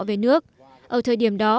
về nước ở thời điểm đó